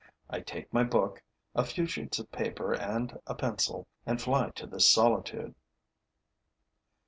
I take my book, a few sheets of paper and a pencil and fly to this solitude.